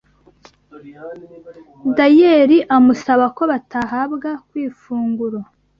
Dayeli amusaba ko batahabwa kw’ifunguro